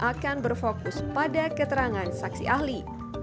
akan berfokus pada keterangan saksi ahli